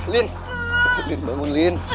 lin bangun lin